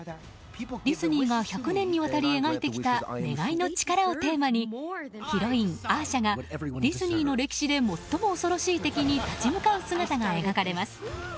ディズニーが１００年にわたり描いてきた願いの力をテーマにヒロイン・アーシャがディズニーの歴史で最も恐ろしい敵に立ち向かう姿が描かれます。